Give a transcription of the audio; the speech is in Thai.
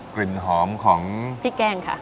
กลิ่นหอมของพริกแกงค่ะ